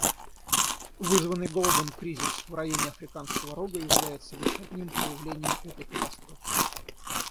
Вызванный голодом кризис в районе Африканского Рога является лишь одним проявлением этой катастрофы.